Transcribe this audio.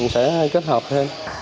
sẽ kết hợp thêm